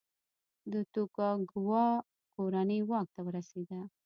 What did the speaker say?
د توکوګاوا کورنۍ واک ته ورسېده.